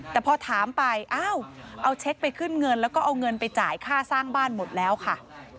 แต่พอถามไปอ้าวเอาเช็คไปขึ้นเงินแล้วก็เอาเงินไปจ่ายค่าสร้างบ้านหมดแล้วค่ะ